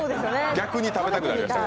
逆に食べたくなりました。